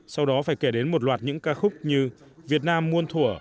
sau đó phải kể đến một loạt những ca khúc như việt nam muôn thủa